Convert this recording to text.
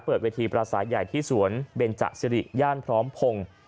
เปิดเวทีปราศาสตร์ใหญ่ที่สวนเบนจะซิริย่านพร้อมพง